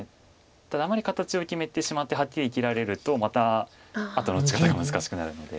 ただあんまり形を決めてしまってはっきり生きられるとまたあとの打ち方が難しくなるので。